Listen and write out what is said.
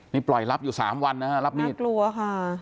นี่ปล่อยรับอยู่สามวันนะฮะรับมีดกลัวค่ะ